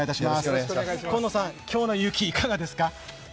今野さん、今日の雪、いかがですか？